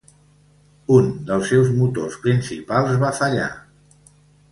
Un dels seus motors principals va fallar.